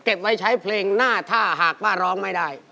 ไว้ใช้เพลงหน้าถ้าหากป้าร้องไม่ได้